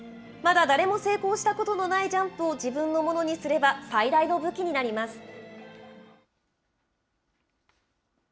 まだ誰も成功したことのないジャンプを自分のものにすれば、最大の武器になります。